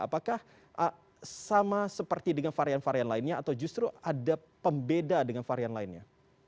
apakah sama seperti dengan varian varian lainnya atau justru ada pembeda dengan varian lainnya